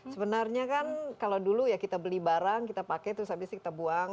sebenarnya kan kalau dulu ya kita beli barang kita pakai terus habis kita buang